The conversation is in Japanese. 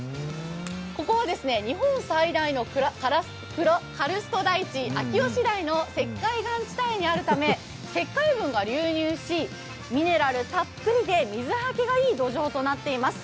ここは日本最大のカルスト台地秋吉台の石灰岩地帯にあるため石灰分が流入し、ミネラルたっぷりで水はけがいい土壌となっています。